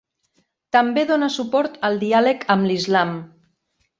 També dona suport al diàleg amb l'Islam.